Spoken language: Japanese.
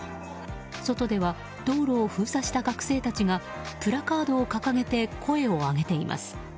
外では道路を封鎖した学生たちがプラカードを掲げて声を上げています。